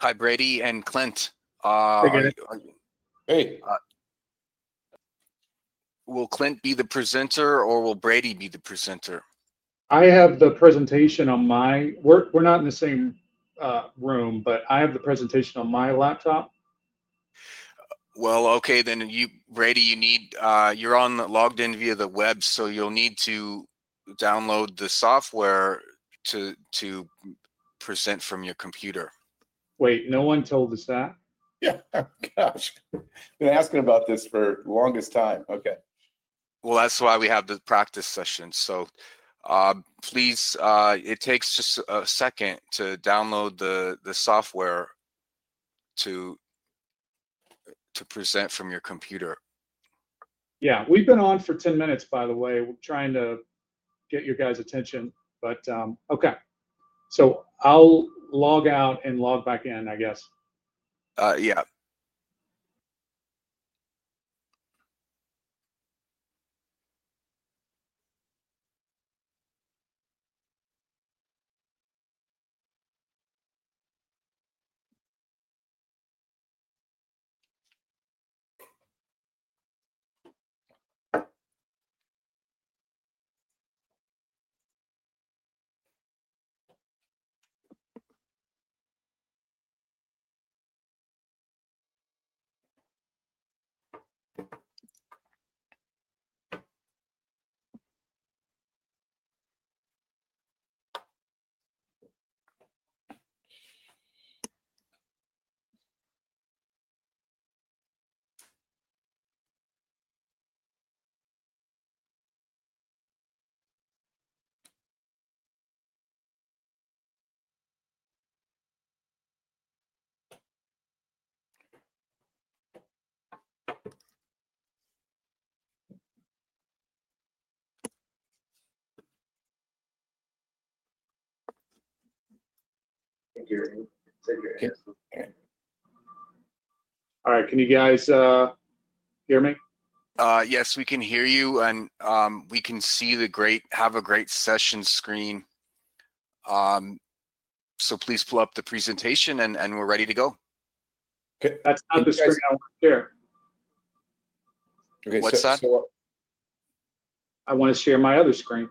Hi, Brady and Clint. Hey. Hey. Will Clint be the presenter, or will Brady be the presenter? I have the presentation on my—we're not in the same room, but I have the presentation on my laptop. Okay, then you, Brady, you need—you are logged in via the web, so you will need to download the software to present from your computer. Wait, no one told us that? Yeah. Gosh. Been asking about this for the longest time. Okay. That's why we have the practice session. Please, it takes just a second to download the software to present from your computer. Yeah. We've been on for 10 minutes, by the way. We're trying to get your guys' attention. Okay. I'll log out and log back in, I guess. Yeah. Can you hear me? Yes. All right. Can you guys hear me? Yes, we can hear you, and we can see the great—have a great session screen. Please pull up the presentation, and we're ready to go. Okay. That's not the screen I want to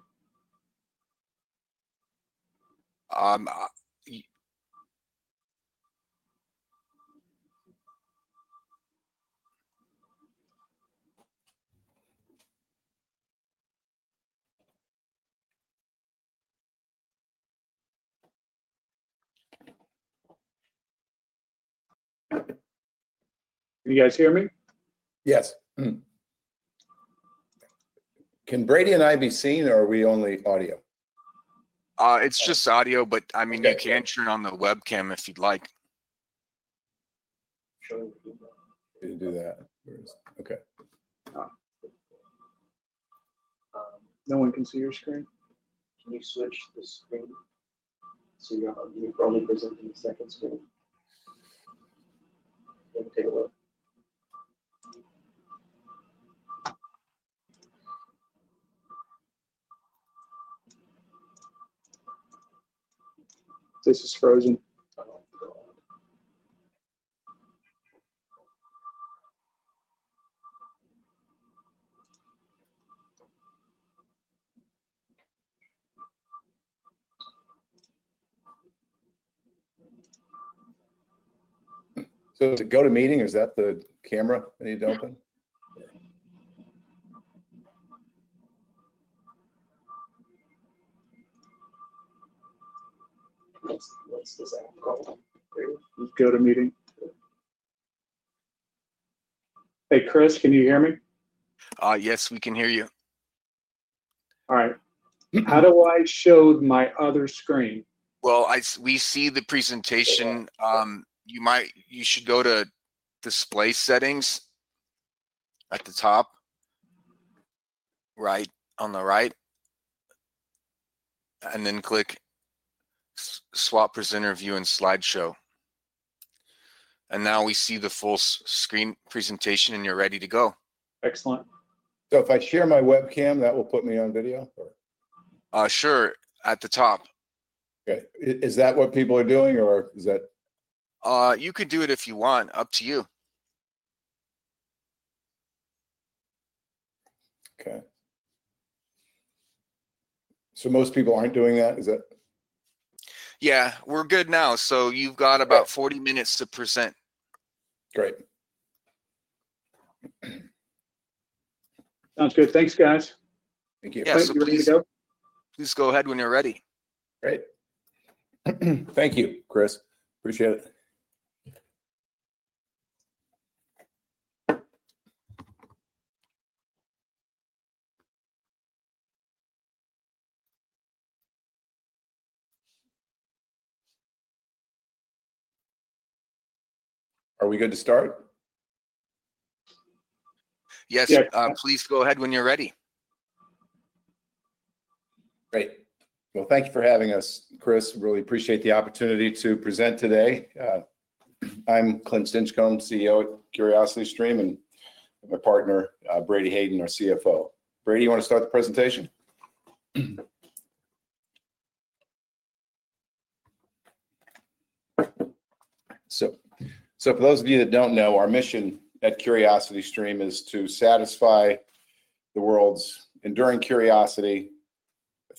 share. Okay. What's that? I want to share my other screen. Can you guys hear me? Yes. Can Brady and I be seen, or are we only audio? It's just audio, but I mean, you can turn on the webcam if you'd like. Sure. We can do that. Okay. No one can see your screen? Can you switch the screen so you can only present from the second screen? Let me take a look. This is frozen. Is it GoToMeeting? Is that the camera that you open? GoToMeeting. Hey, Chris, can you hear me? Yes, we can hear you. All right. How do I show my other screen? We see the presentation. You should go to Display Settings at the top, right on the right, and then click Swap Presenter View and Slideshow. Now we see the full screen presentation, and you're ready to go. Excellent. If I share my webcam, that will put me on video, or? Sure. At the top. Okay. Is that what people are doing, or is that? You could do it if you want. Up to you. Okay. So most people aren't doing that. Is that? Yeah. We're good now. You have about 40 minutes to present. Great. Sounds good. Thanks, guys. Thank you. Thanks. You ready to go? Please go ahead when you're ready. Great. Thank you, Chris. Appreciate it. Are we good to start? Yes. Please go ahead when you're ready. Great. Thank you for having us, Chris. Really appreciate the opportunity to present today. I'm Clint Stinchcomb, CEO at Curiosity Stream, and my partner, Brady Hayden, our CFO. Brady, you want to start the presentation? For those of you that do not know, our mission at Curiosity Stream is to satisfy the world's enduring curiosity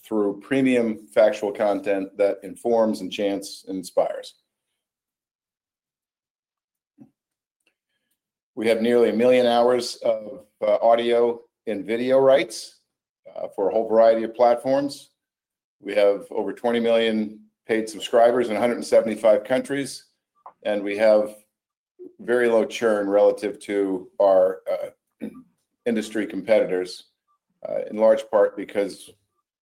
through premium factual content that informs, enchants, and inspires. We have nearly a million hours of audio and video rights for a whole variety of platforms. We have over 20 million paid subscribers in 175 countries, and we have very low churn relative to our industry competitors, in large part because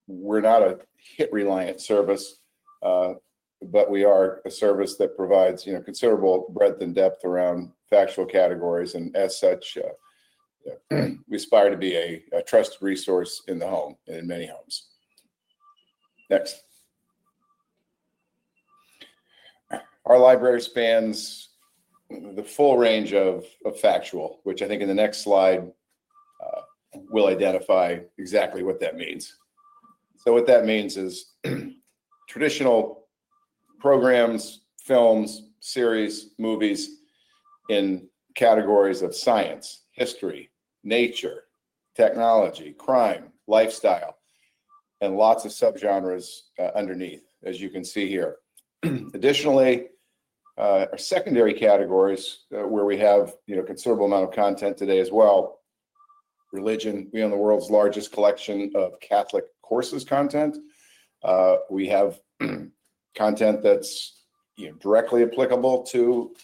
we are not a hit-reliance service, but we are a service that provides considerable breadth and depth around factual categories. As such, we aspire to be a trusted resource in the home and in many homes. Next. Our library spans the full range of factual, which I think in the next slide will identify exactly what that means. What that means is traditional programs, films, series, movies in categories of science, history, nature, technology, crime, lifestyle, and lots of subgenres underneath, as you can see here. Additionally, our secondary categories, where we have a considerable amount of content today as well: religion. We own the world's largest collection of Catholic courses content. We have content that's directly applicable to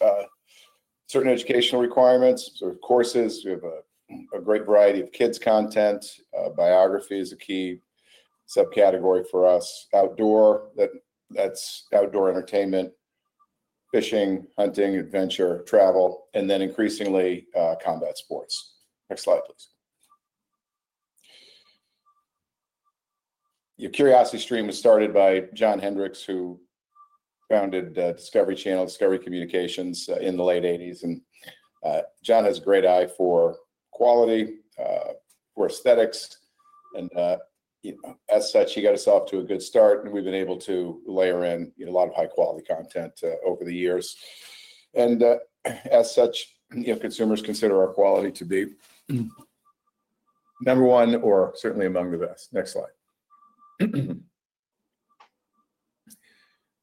certain educational requirements, sort of courses. We have a great variety of kids' content. Biography is a key subcategory for us. Outdoor, that's outdoor entertainment, fishing, hunting, adventure, travel, and then increasingly combat sports. Next slide, please. Curiosity Stream was started by John Hendricks, who founded Discovery Channel, Discovery Communications in the late 1980s. John has a great eye for quality, for aesthetics. As such, he got us off to a good start, and we've been able to layer in a lot of high-quality content over the years. As such, consumers consider our quality to be number one or certainly among the best. Next slide.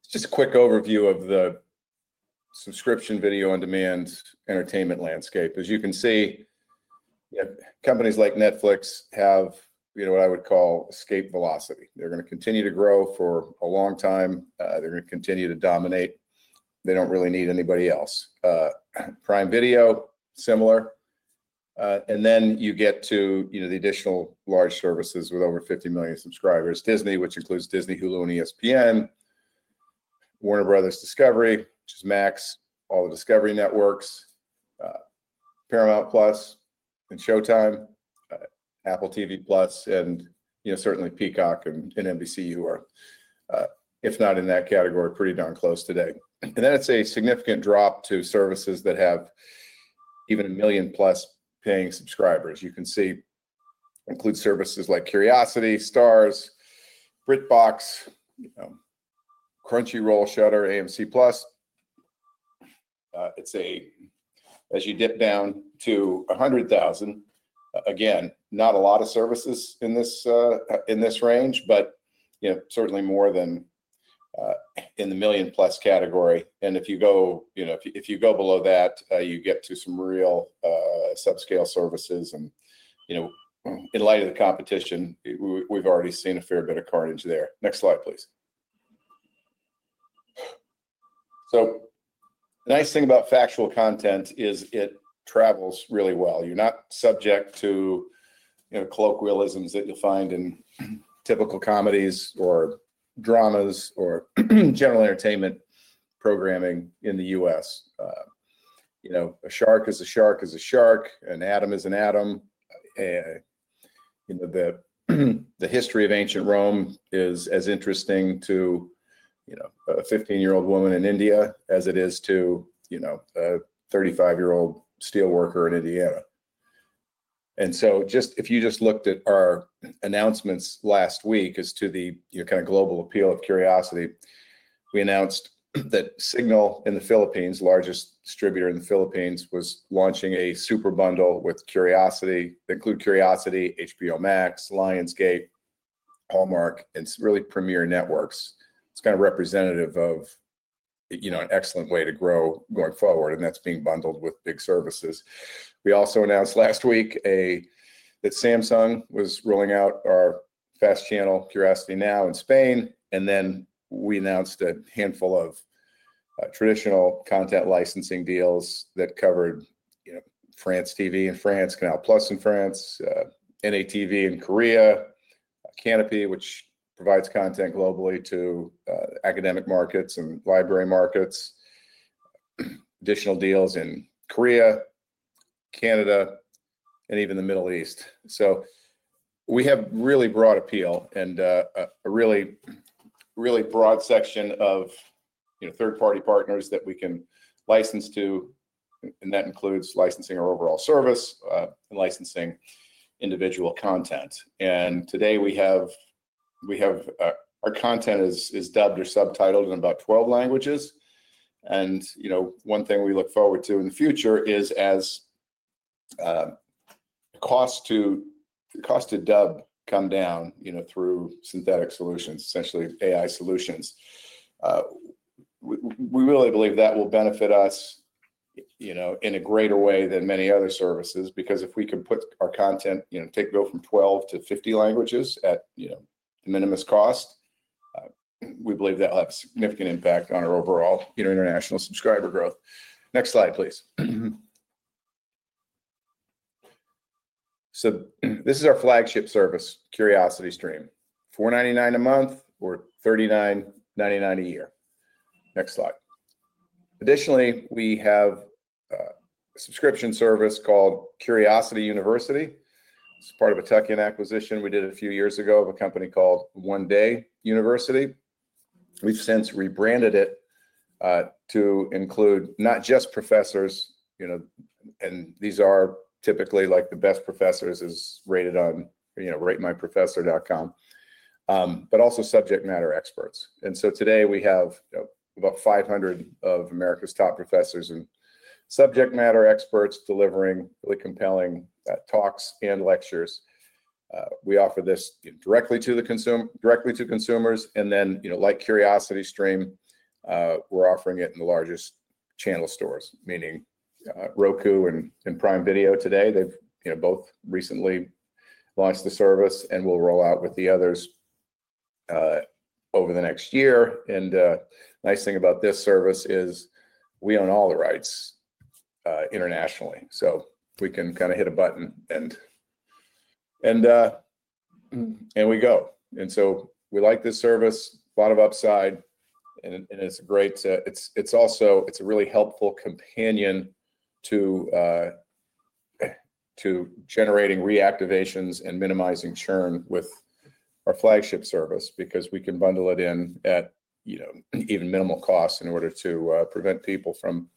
Just a quick overview of the subscription video on demand entertainment landscape. As you can see, companies like Netflix have what I would call escape velocity. They're going to continue to grow for a long time. They're going to continue to dominate. They don't really need anybody else. Prime Video, similar. Then you get to the additional large services with over 50 million subscribers: Disney, which includes Disney, Hulu, and ESPN; Warner Bros. Discovery, which is Max; all the Discovery networks; Paramount+ and Showtime; Apple TV+; and certainly Peacock and NBC, who are, if not in that category, pretty darn close today. Then it is a significant drop to services that have even a million-plus paying subscribers. You can see it includes services like Curiosity, Starz, Britbox, Crunchyroll, Shutter, AMC+. As you dip down to 100,000, again, not a lot of services in this range, but certainly more than in the million-plus category. If you go below that, you get to some real subscale services. In light of the competition, we have already seen a fair bit of carnage there. Next slide, please. The nice thing about factual content is it travels really well. You are not subject to colloquialisms that you will find in typical comedies or dramas or general entertainment programming in the U.S. A shark is a shark is a shark. An atom is an atom. The history of ancient Rome is as interesting to a 15-year-old woman in India as it is to a 35-year-old steelworker in Indiana. If you just looked at our announcements last week as to the kind of global appeal of Curiosity, we announced that Signal in the Philippines, the largest distributor in the Philippines, was launching a super bundle with Curiosity that includes Curiosity, HBO Max, Lionsgate, Hallmark, and really premier networks. It is kind of representative of an excellent way to grow going forward, and that is being bundled with big services. We also announced last week that Samsung was rolling out our FAST channel Curiosity Now in Spain. We announced a handful of traditional content licensing deals that covered France TV in France, Canal+ in France, NATV in Korea, Kanopy, which provides content globally to academic markets and library markets, additional deals in Korea, Canada, and even the Middle East. We have really broad appeal and a really, really broad section of third-party partners that we can license to, and that includes licensing our overall service and licensing individual content. Today, our content is dubbed or subtitled in about 12 languages. One thing we look forward to in the future is as the cost to dub comes down through synthetic solutions, essentially AI solutions, we really believe that will benefit us in a greater way than many other services because if we can put our content, go from 12 to 50 languages at the minimus cost, we believe that will have a significant impact on our overall international subscriber growth. Next slide, please. This is our flagship service, Curiosity Stream. $4.99 a month or $39.99 a year. Next slide. Additionally, we have a subscription service called Curiosity University. It's part of a tuck-in acquisition we did a few years ago of a company called One Day University. We've since rebranded it to include not just professors, and these are typically the best professors as rated on RateMyProfessors.com, but also subject matter experts. Today, we have about 500 of America's top professors and subject matter experts delivering really compelling talks and lectures. We offer this directly to consumers, and then like Curiosity Stream, we're offering it in the largest channel stores, meaning Roku and Prime Video today. They've both recently launched the service and will roll out with the others over the next year. The nice thing about this service is we own all the rights internationally. We can kind of hit a button and we go. We like this service, a lot of upside, and it's a really helpful companion to generating reactivations and minimizing churn with our flagship service because we can bundle it in at even minimal costs in order to prevent people from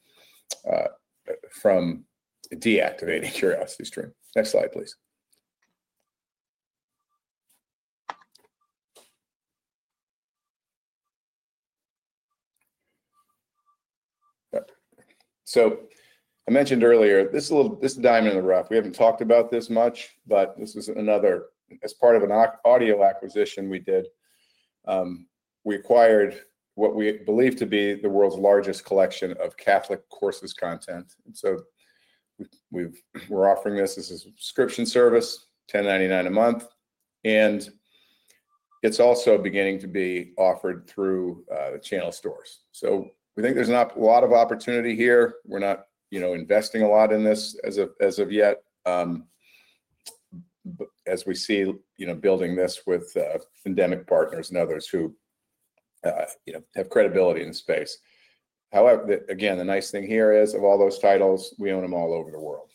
deactivating Curiosity Stream. Next slide, please. I mentioned earlier, this is a diamond in the rough. We have not talked about this much, but this is another—as part of an audio acquisition we did, we acquired what we believe to be the world's largest collection of Catholic courses content. We are offering this as a subscription service, $10.99 a month, and it is also beginning to be offered through channel stores. We think there is a lot of opportunity here. We are not investing a lot in this as of yet, as we see building this with endemic partners and others who have credibility in the space. However, again, the nice thing here is of all those titles, we own them all over the world.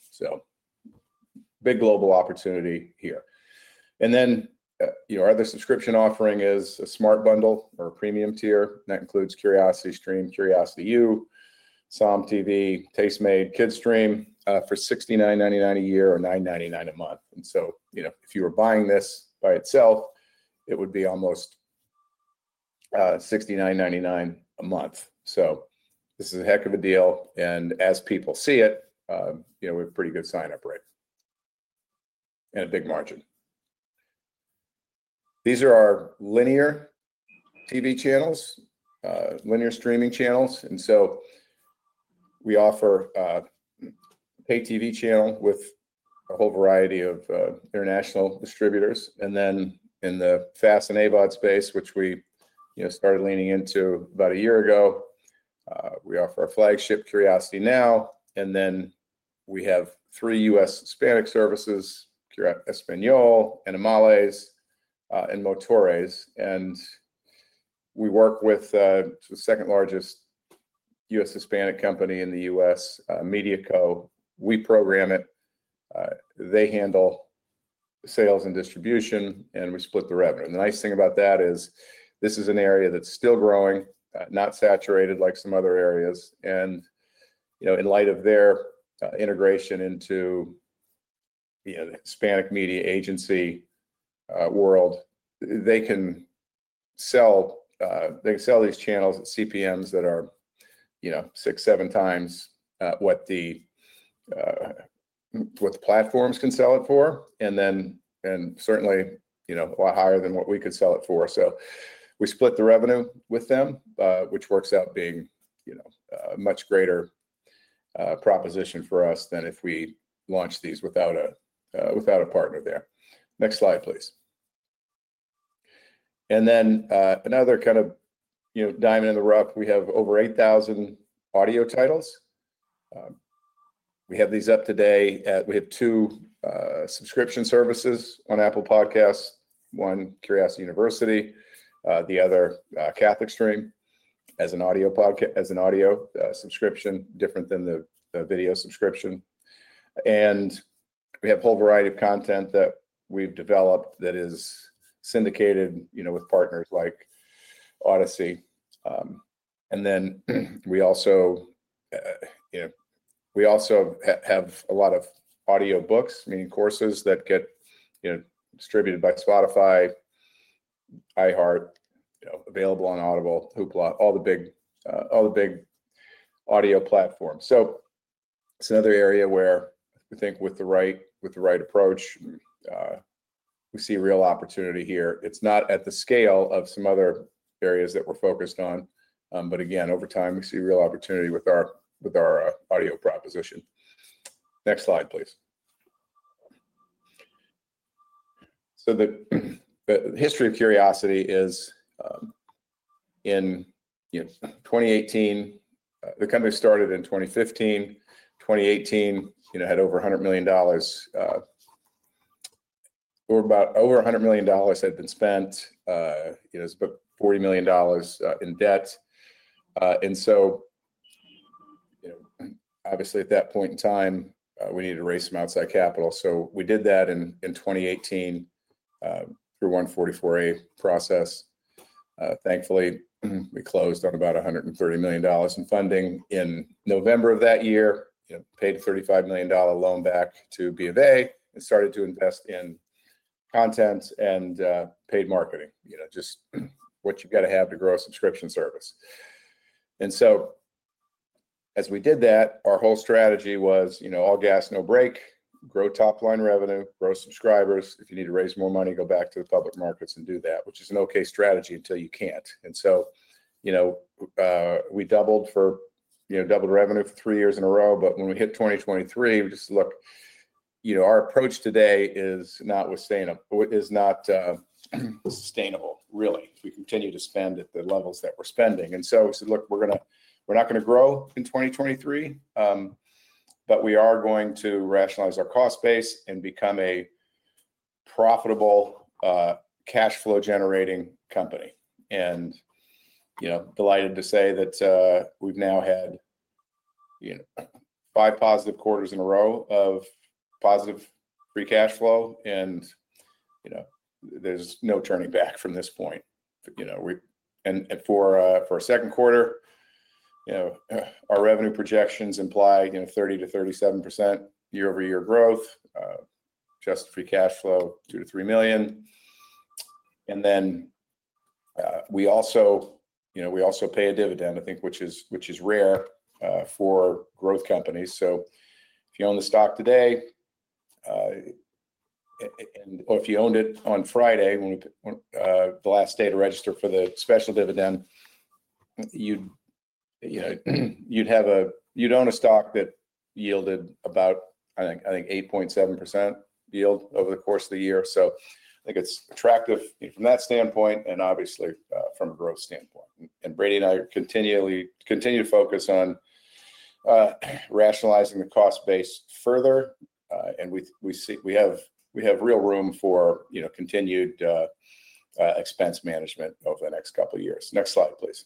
Big global opportunity here. Our other subscription offering is a smart bundle or a premium tier. That includes Curiosity Stream, Curiosity U, SOMM TV, Tastemade, Kidstream for $69.99 a year or $9.99 a month. If you were buying this by itself, it would be almost $69.99 a month. This is a heck of a deal. As people see it, we have a pretty good sign-up rate and a big margin. These are our linear TV channels, linear streaming channels. We offer a paid TV channel with a whole variety of international distributors. In the FAST and AVOD space, which we started leaning into about a year ago, we offer our flagship CuriosityNow. We have three U.S. Hispanic services, Cura Español, Animales, and Motores. We work with the second-largest U.S. Hispanic company in the U.S., MediaCo. We program it. They handle sales and distribution, and we split the revenue. The nice thing about that is this is an area that is still growing, not saturated like some other areas. In light of their integration into the Hispanic media agency world, they can sell these channels at CPMs that are six, seven times what the platforms can sell it for, and certainly a lot higher than what we could sell it for. We split the revenue with them, which works out being a much greater proposition for us than if we launched these without a partner there. Next slide, please. Another kind of diamond in the rough, we have over 8,000 audio titles. We have these up today. We have two subscription services on Apple Podcasts, one Curiosity University, the other Catholic Stream as an audio subscription, different than the video subscription. We have a whole variety of content that we've developed that is syndicated with partners like Odyssey. We also have a lot of audiobooks, meaning courses that get distributed by Spotify, iHeart, available on Audible, Hoopla, all the big audio platforms. It is another area where I think with the right approach, we see real opportunity here. It is not at the scale of some other areas that we are focused on. Again, over time, we see real opportunity with our audio proposition. Next slide, please. The history of Curiosity Stream is in 2018. The company started in 2015. In 2018, it had over $100 million. Over $100 million had been spent. It was about $40 million in debt. Obviously, at that point in time, we needed to raise some outside capital. We did that in 2018 through 144A process. Thankfully, we closed on about $130 million in funding in November of that year, paid a $35 million loan back to BofA, and started to invest in content and paid marketing, just what you've got to have to grow a subscription service. As we did that, our whole strategy was all gas, no brake, grow top-line revenue, grow subscribers. If you need to raise more money, go back to the public markets and do that, which is an okay strategy until you can't. We doubled revenue for three years in a row. When we hit 2023, we just looked at our approach today is not sustainable, really, if we continue to spend at the levels that we're spending. We said, "Look, we're not going to grow in 2023, but we are going to rationalize our cost base and become a profitable cash flow-generating company." I am delighted to say that we've now had five positive quarters in a row of positive free cash flow, and there's no turning back from this point. For a second quarter, our revenue projections imply 30%-37% year-over-year growth, just free cash flow, $2 million-$3 million. We also pay a dividend, I think, which is rare for growth companies. If you own the stock today, or if you owned it on Friday, the last day to register for the special dividend, you'd own a stock that yielded about, I think, 8.7% yield over the course of the year. I think it's attractive from that standpoint and obviously from a growth standpoint. Brady and I continue to focus on rationalizing the cost base further, and we have real room for continued expense management over the next couple of years. Next slide, please.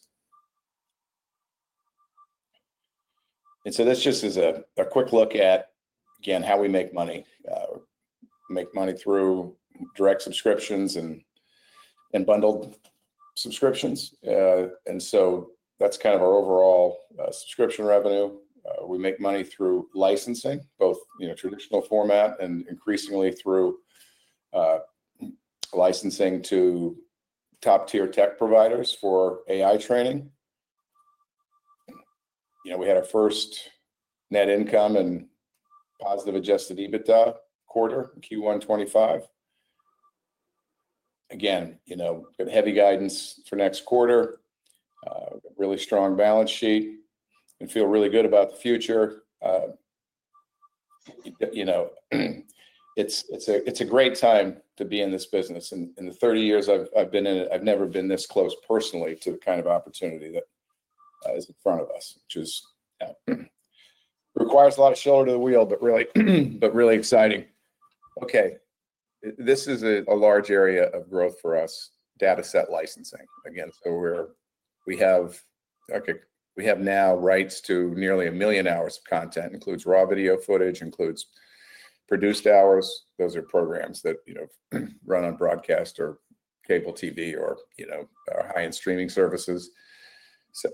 This is just a quick look at, again, how we make money, make money through direct subscriptions and bundled subscriptions. That is kind of our overall subscription revenue. We make money through licensing, both traditional format and increasingly through licensing to top-tier tech providers for AI training. We had our first net income and positive Adjusted EBITDA quarter, Q1 2025. Again, we have heavy guidance for next quarter, really strong balance sheet, and feel really good about the future. It is a great time to be in this business. In the 30 years I've been in it, I've never been this close personally to the kind of opportunity that is in front of us, which requires a lot of shoulder to the wheel, but really exciting. Okay. This is a large area of growth for us, data set licensing. Again, we have now rights to nearly a million hours of content, includes raw video footage, includes produced hours. Those are programs that run on broadcast or cable TV or high-end streaming services.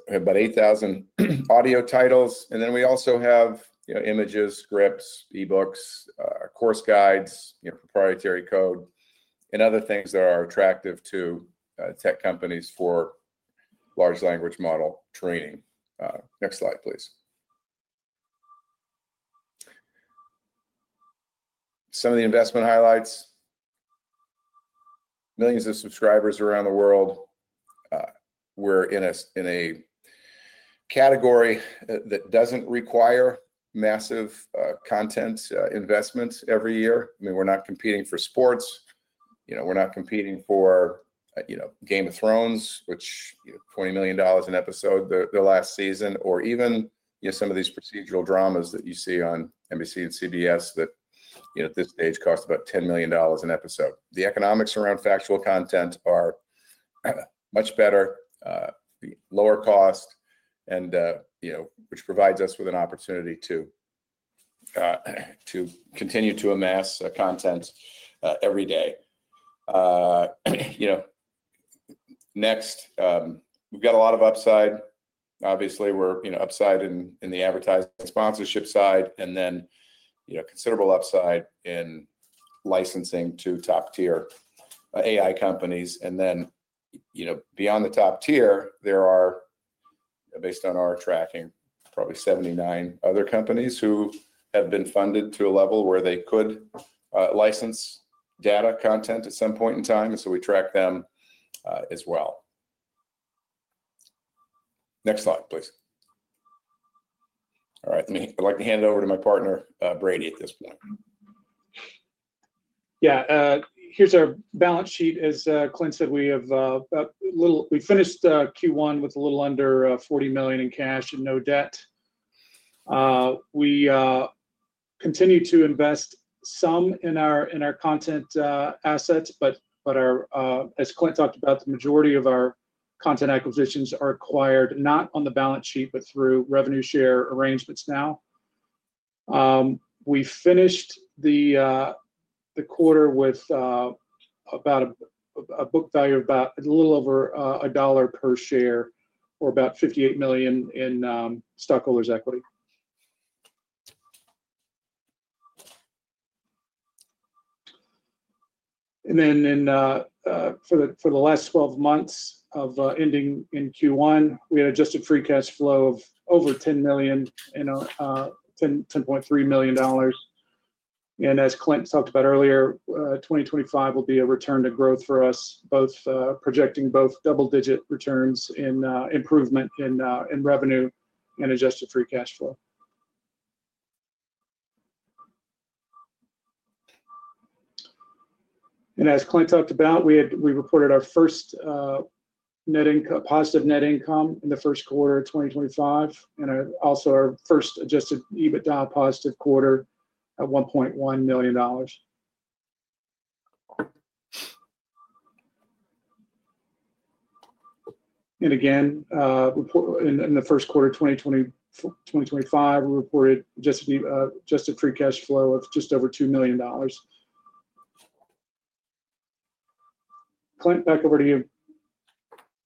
About 8,000 audio titles. And then we also have images, scripts, eBooks, course guides, proprietary code, and other things that are attractive to tech companies for large language model training. Next slide, please. Some of the investment highlights. Millions of subscribers around the world. We're in a category that doesn't require massive content investments every year. I mean, we're not competing for sports. We're not competing for Game of Thrones, which is $20 million an episode their last season, or even some of these procedural dramas that you see on NBC and CBS that at this stage cost about $10 million an episode. The economics around factual content are much better, lower cost, which provides us with an opportunity to continue to amass content every day. Next, we've got a lot of upside. Obviously, we're upside in the advertising sponsorship side, and then considerable upside in licensing to top-tier AI companies. Beyond the top tier, there are, based on our tracking, probably 79 other companies who have been funded to a level where they could license data content at some point in time. We track them as well. Next slide, please. All right. I'd like to hand it over to my partner, Brady, at this point. Yeah. Here's our balance sheet. As Clint said, we finished Q1 with a little under $40 million in cash and no debt. We continue to invest some in our content assets, but as Clint talked about, the majority of our content acquisitions are acquired not on the balance sheet, but through revenue share arrangements now. We finished the quarter with about a book value of a little over $1 per share or about $58 million in stockholders' equity. For the last 12 months ending in Q1, we had adjusted free cash flow of over $10 million, $10.3 million. As Clint talked about earlier, 2025 will be a return to growth for us, projecting both double-digit returns in improvement in revenue and adjusted free cash flow. As Clint talked about, we reported our first positive net income in the first quarter of 2025, and also our first Adjusted EBITDA positive quarter at $1.1 million. Again, in the first quarter of 2025, we reported adjusted free cash flow of just over $2 million. Clint, back over to you.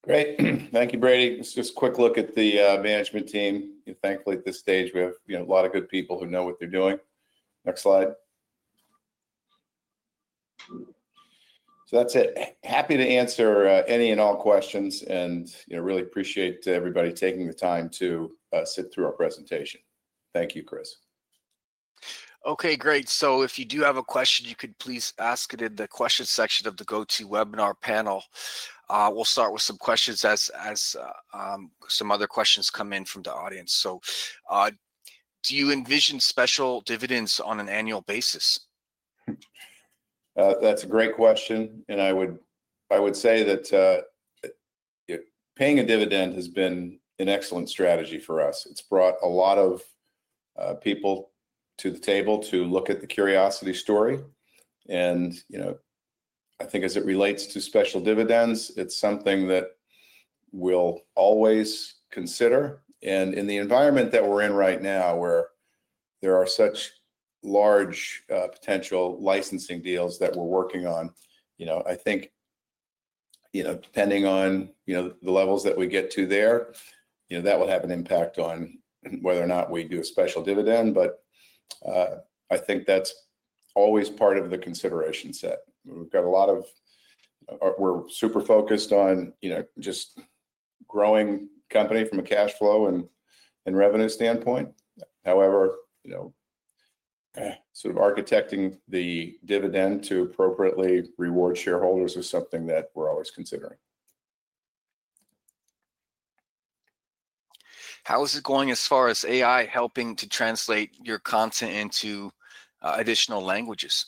Great. Thank you, Brady. Let's just quick look at the management team. Thankfully, at this stage, we have a lot of good people who know what they're doing. Next slide. That's it. Happy to answer any and all questions, and really appreciate everybody taking the time to sit through our presentation. Thank you, Chris. Okay. Great. If you do have a question, you could please ask it in the question section of the GoToWebinar panel. We'll start with some questions as some other questions come in from the audience. Do you envision special dividends on an annual basis? That's a great question. I would say that paying a dividend has been an excellent strategy for us. It's brought a lot of people to the table to look at the Curiosity Stream story. I think as it relates to special dividends, it's something that we'll always consider. In the environment that we're in right now, where there are such large potential licensing deals that we're working on, I think depending on the levels that we get to there, that will have an impact on whether or not we do a special dividend. I think that's always part of the consideration set. We're super focused on just growing the company from a cash flow and revenue standpoint. However, sort of architecting the dividend to appropriately reward shareholders is something that we're always considering. How is it going as far as AI helping to translate your content into additional languages?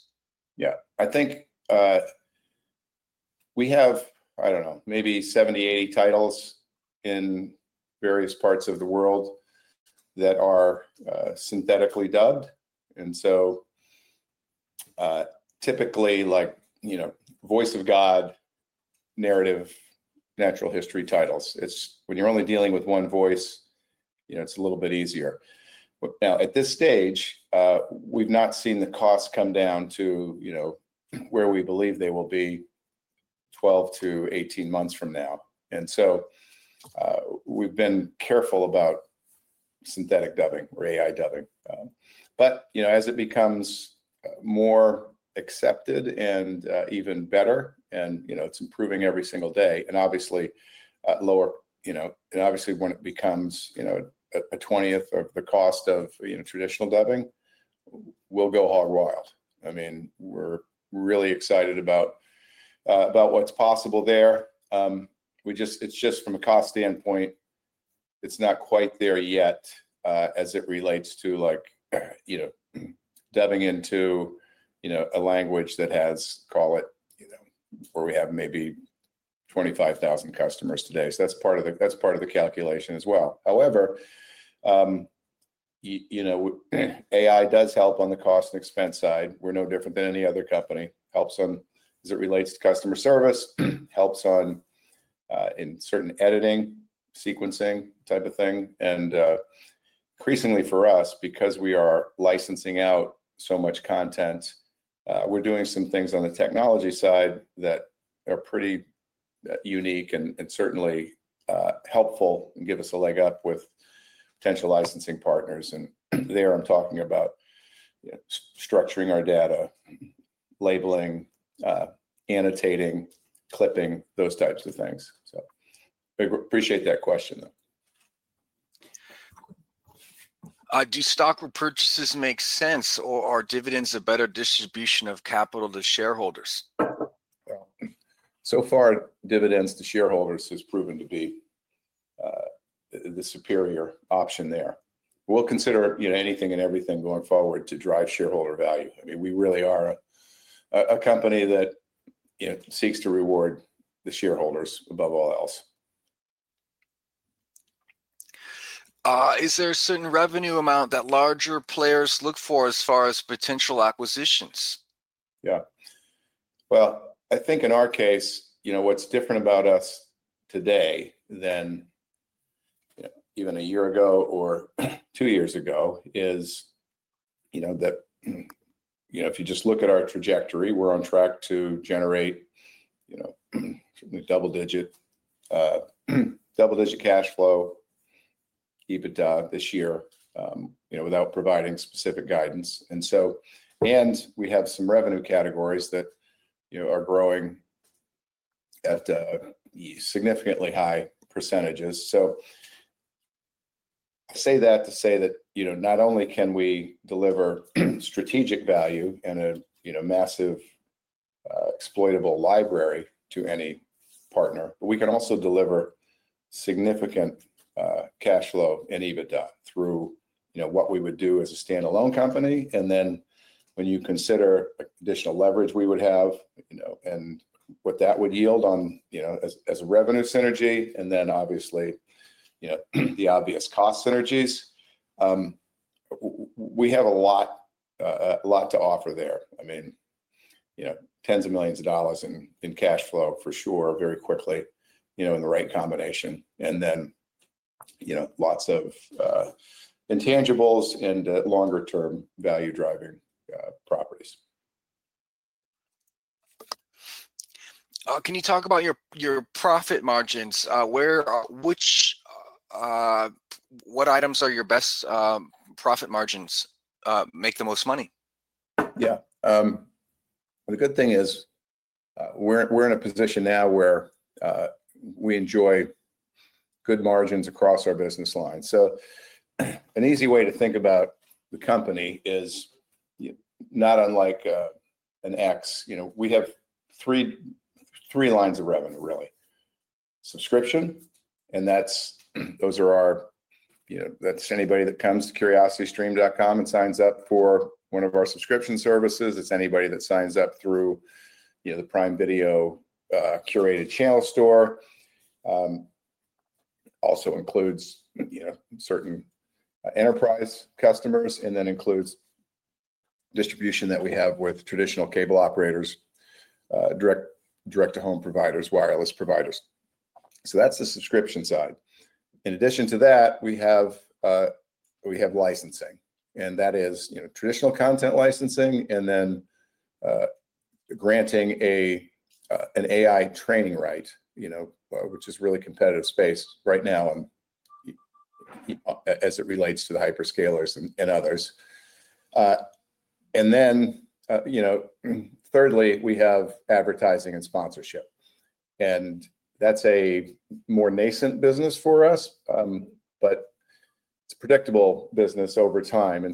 Yeah. I think we have, I don't know, maybe 70, 80 titles in various parts of the world that are synthetically dubbed. And so typically, like Voice of God, narrative, natural history titles, when you're only dealing with one voice, it's a little bit easier. Now, at this stage, we've not seen the cost come down to where we believe they will be 12-18 months from now. And so we've been careful about synthetic dubbing or AI dubbing. As it becomes more accepted and even better, and it's improving every single day, and obviously lower, and obviously when it becomes a 20th of the cost of traditional dubbing, we'll go all wild. I mean, we're really excited about what's possible there. It's just from a cost standpoint, it's not quite there yet as it relates to dubbing into a language that has, call it, where we have maybe 25,000 customers today. That's part of the calculation as well. However, AI does help on the cost and expense side. We're no different than any other company. Helps as it relates to customer service, helps in certain editing, sequencing type of thing. Increasingly for us, because we are licensing out so much content, we're doing some things on the technology side that are pretty unique and certainly helpful and give us a leg up with potential licensing partners. There I'm talking about structuring our data, labeling, annotating, clipping, those types of things. I appreciate that question, though. Do stock repurchases make sense, or are dividends a better distribution of capital to shareholders? So far, dividends to shareholders has proven to be the superior option there. We'll consider anything and everything going forward to drive shareholder value. I mean, we really are a company that seeks to reward the shareholders above all else. Is there a certain revenue amount that larger players look for as far as potential acquisitions? Yeah. I think in our case, what's different about us today than even a year ago or two years ago is that if you just look at our trajectory, we're on track to generate double-digit cash flow, EBITDA this year without providing specific guidance. And we have some revenue categories that are growing at significantly high percentages. I say that to say that not only can we deliver strategic value and a massive exploitable library to any partner, but we can also deliver significant cash flow and EBITDA through what we would do as a standalone company. When you consider additional leverage we would have and what that would yield as revenue synergy, and obviously the obvious cost synergies, we have a lot to offer there. I mean, tens of millions of dollars in cash flow for sure very quickly in the right combination. Lots of intangibles and longer-term value-driving properties. Can you talk about your profit margins? What items are your best profit margins, make the most money? Yeah. The good thing is we're in a position now where we enjoy good margins across our business line. An easy way to think about the company is not unlike an X. We have three lines of revenue, really: subscription, and those are our—that's anybody that comes to curiositystream.com and signs up for one of our subscription services. It's anybody that signs up through the Prime Video curated channel store. Also includes certain enterprise customers and then includes distribution that we have with traditional cable operators, direct-to-home providers, wireless providers. That's the subscription side. In addition to that, we have licensing, and that is traditional content licensing and then granting an AI training right, which is a really competitive space right now as it relates to the hyperscalers and others. Thirdly, we have advertising and sponsorship. That's a more nascent business for us, but it's a predictable business over time.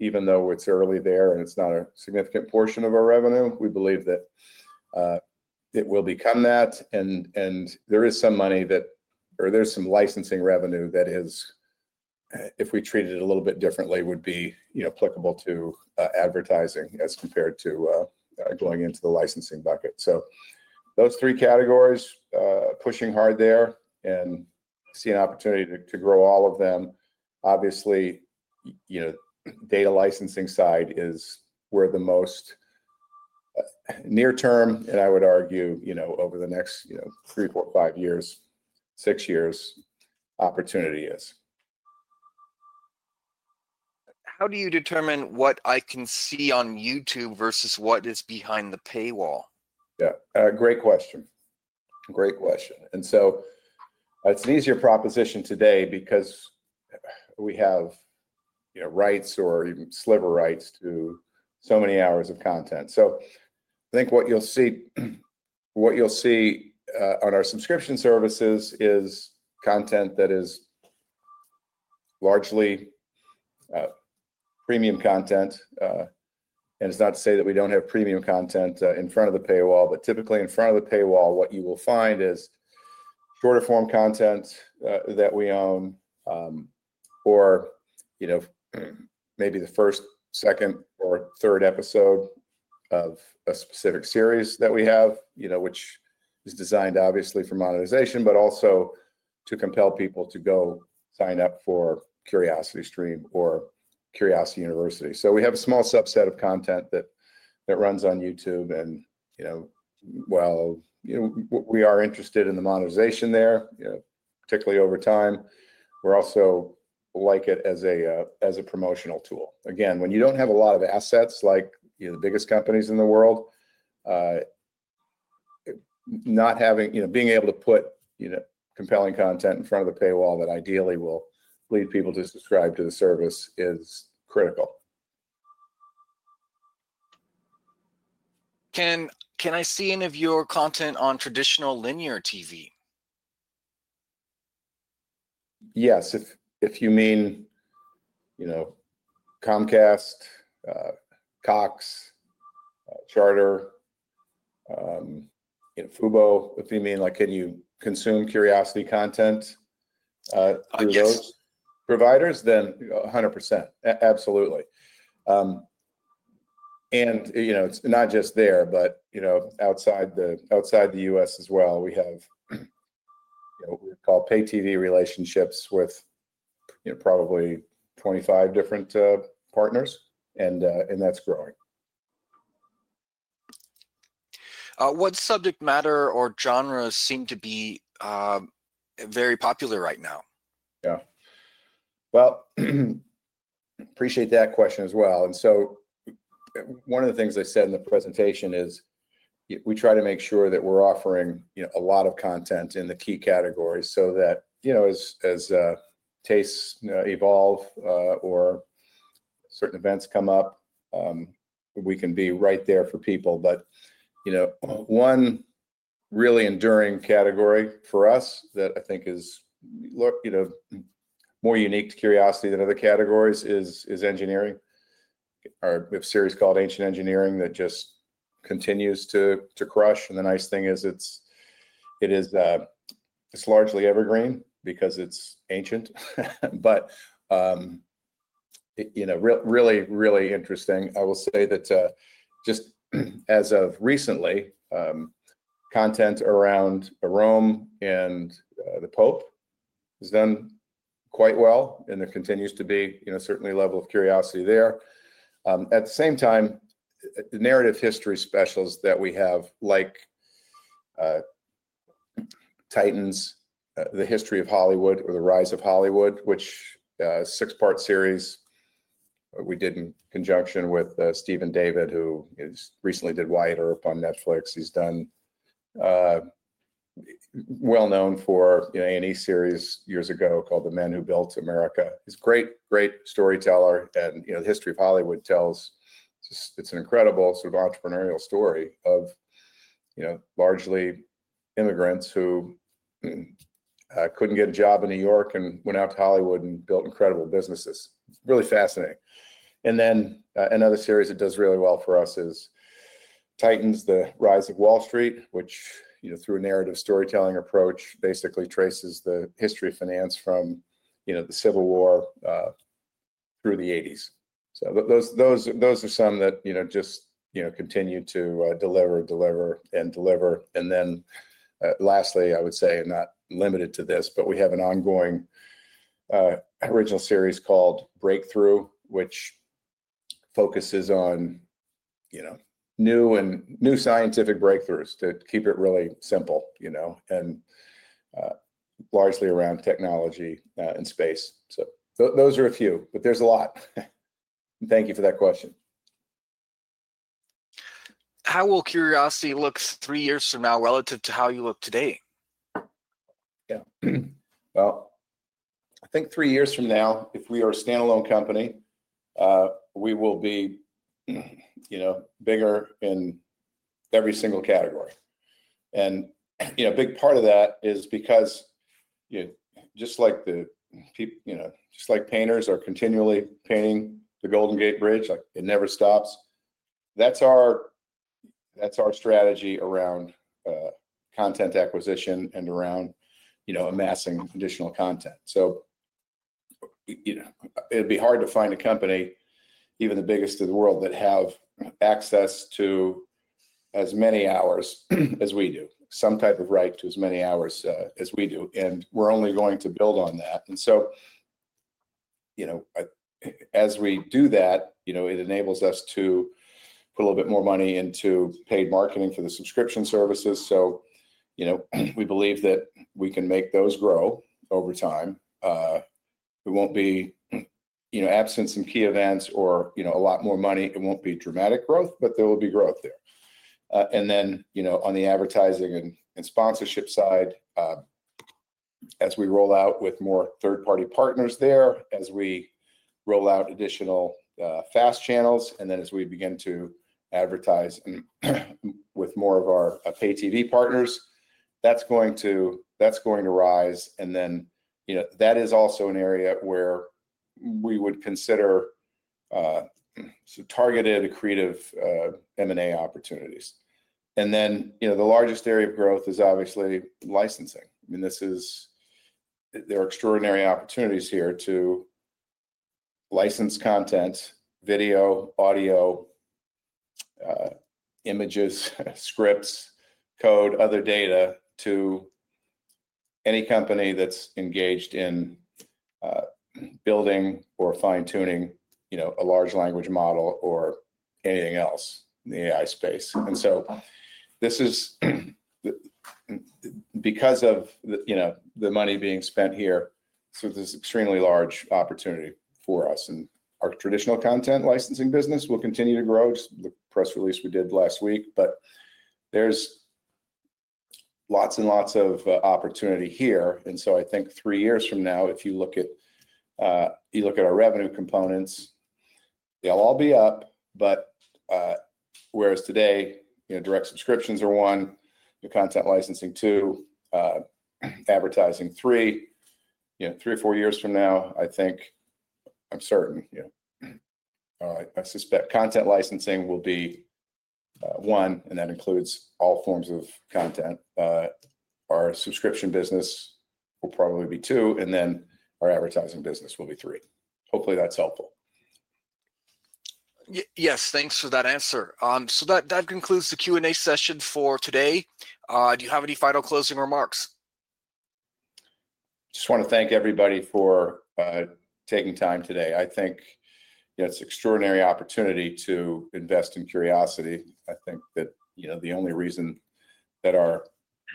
Even though it's early there and it's not a significant portion of our revenue, we believe that it will become that. There is some money that, or there's some licensing revenue that, if we treated it a little bit differently, would be applicable to advertising as compared to going into the licensing bucket. Those three categories, pushing hard there and seeing an opportunity to grow all of them. Obviously, data licensing side is where the most near-term, and I would argue over the next three, four, five years, six years, opportunity is. How do you determine what I can see on YouTube versus what is behind the paywall? Yeah. Great question. Great question. It's an easier proposition today because we have rights or even sliver rights to so many hours of content. I think what you'll see on our subscription services is content that is largely premium content. It is not to say that we do not have premium content in front of the paywall, but typically in front of the paywall, what you will find is shorter-form content that we own or maybe the first, second, or third episode of a specific series that we have, which is designed obviously for monetization, but also to compel people to go sign up for Curiosity Stream or Curiosity University. We have a small subset of content that runs on YouTube. While we are interested in the monetization there, particularly over time, we also like it as a promotional tool. Again, when you don't have a lot of assets like the biggest companies in the world, being able to put compelling content in front of the paywall that ideally will lead people to subscribe to the service is critical. Can I see any of your content on traditional linear TV? Yes. If you mean Comcast, Cox, Charter, Fubo, if you mean can you consume Curiosity content through those providers, then 100%. Absolutely. It's not just there, but outside the U.S. as well. We have what we call pay TV relationships with probably 25 different partners, and that's growing. What subject matter or genres seem to be very popular right now? Yeah. I appreciate that question as well. One of the things I said in the presentation is we try to make sure that we're offering a lot of content in the key categories so that as tastes evolve or certain events come up, we can be right there for people. One really enduring category for us that I think is more unique to Curiosity than other categories is engineering. We have a series called Ancient Engineering that just continues to crush. The nice thing is it's largely evergreen because it's ancient, but really, really interesting. I will say that just as of recently, content around Rome and the Pope has done quite well, and there continues to be certainly a level of curiosity there. At the same time, the narrative history specials that we have, like Titans: The History of Hollywood or The Rise of Hollywood, which is a six-part series we did in conjunction with Steven David, who recently did Wyatt Earp on Netflix. He's well known for an A&E series years ago called The Men Who Built America. He's a great, great storyteller. The History of Hollywood tells—it's an incredible sort of entrepreneurial story of largely immigrants who could not get a job in New York and went out to Hollywood and built incredible businesses. It's really fascinating. Another series that does really well for us is Titans: The Rise of Wall Street, which through a narrative storytelling approach basically traces the history of finance from the Civil War through the 1980s. Those are some that just continue to deliver, deliver, and deliver. And then lastly, I would say, and not limited to this, but we have an ongoing original series called Breakthrough, which focuses on new scientific breakthroughs to keep it really simple and largely around technology and space. Those are a few, but there is a lot. Thank you for that question. How will Curiosity look three years from now relative to how you look today? Yeah. I think three years from now, if we are a standalone company, we will be bigger in every single category. A big part of that is because just like painters are continually painting the Golden Gate Bridge, it never stops. That is our strategy around content acquisition and around amassing additional content. It'd be hard to find a company, even the biggest in the world, that has access to as many hours as we do, some type of right to as many hours as we do. We're only going to build on that. As we do that, it enables us to put a little bit more money into paid marketing for the subscription services. We believe that we can make those grow over time. It won't be absence in key events or a lot more money. It won't be dramatic growth, but there will be growth there. On the advertising and sponsorship side, as we roll out with more third-party partners there, as we roll out additional FAST channels, and as we begin to advertise with more of our pay TV partners, that's going to rise. That is also an area where we would consider targeted creative M&A opportunities. The largest area of growth is obviously licensing. I mean, there are extraordinary opportunities here to license content, video, audio, images, scripts, code, other data to any company that is engaged in building or fine-tuning a large language model or anything else in the AI space. This is because of the money being spent here, so there is an extremely large opportunity for us. Our traditional content licensing business will continue to grow, just the press release we did last week. There is lots and lots of opportunity here. I think three years from now, if you look at our revenue components, they will all be up. Whereas today, direct subscriptions are one, content licensing two, advertising three, three or four years from now, I think I'm certain, I suspect content licensing will be one, and that includes all forms of content. Our subscription business will probably be two, and then our advertising business will be three. Hopefully, that's helpful. Yes. Thanks for that answer. That concludes the Q&A session for today. Do you have any final closing remarks? Just want to thank everybody for taking time today. I think it's an extraordinary opportunity to invest in Curiosity. I think that the only reason that our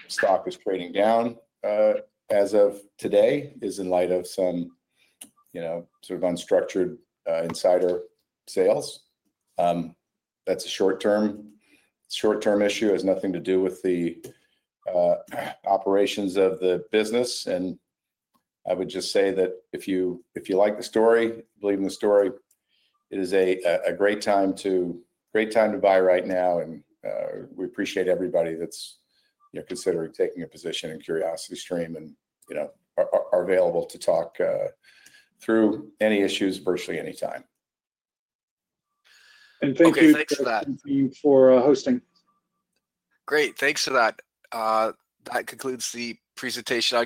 stock is trading down as of today is in light of some sort of unstructured insider sales. That's a short-term issue. It has nothing to do with the operations of the business. I would just say that if you like the story, believe in the story, it is a great time to buy right now. We appreciate everybody that's considering taking a position in Curiosity Stream and are available to talk through any issues virtually anytime. Thank you for hosting. Great. Thanks for that. That concludes the presentation.